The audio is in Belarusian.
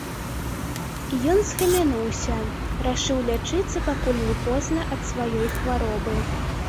І ён схамянуўся, рашыў лячыцца, пакуль не позна, ад сваёй хваробы.